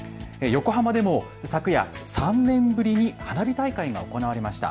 横浜でも昨夜、３年ぶりに花火大会が行われました。